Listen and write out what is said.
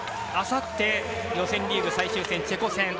あさって予選リーグ最終戦チェコ戦。